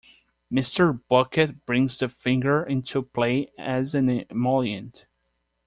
Mr. Bucket brings the finger into play as an emollient.